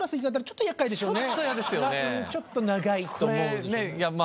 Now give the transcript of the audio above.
ちょっと長いと思う。